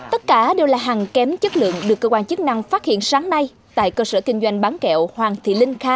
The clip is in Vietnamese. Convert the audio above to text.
tất cả đều là hàng kém chất lượng được cơ quan chức năng phát hiện sáng nay tại cơ sở kinh doanh bán kẹo hoàng thị linh kha